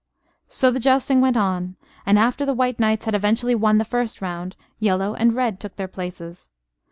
So the jousting went on; and, after the white knights had eventually won the first round, yellow and red took their places.